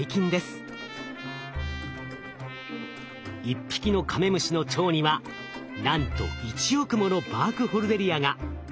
一匹のカメムシの腸にはなんと１億ものバークホルデリアが。